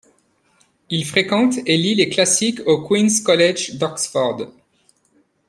Il fréquente et lit les classiques au Queen's College d'Oxford.